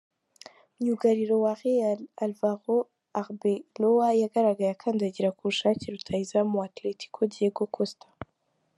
Myugariro wa Real, Álvaro Arbeloa yagaragaye akandagira ku bushake rutahizamu wa Atlético Diego Costa.